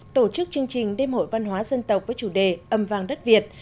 tổ chức chương trình đêm hội văn hóa dân tộc với chủ đề âm vàng đất việt